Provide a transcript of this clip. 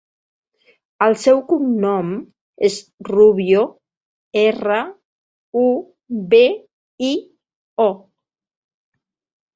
El seu cognom és Rubio: erra, u, be, i, o.